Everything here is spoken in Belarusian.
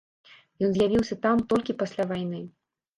Ён з'явіўся там толькі пасля вайны.